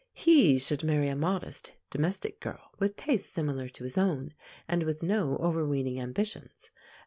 He should marry a modest, domestic girl, with tastes similar to his own, and with no overweening ambitions.